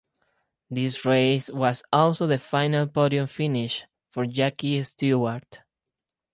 This race was also the final podium finish for Jackie Stewart.